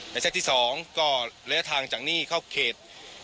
และเซ็กที่๒ก็ระยะทางจากนี่เข้าเขต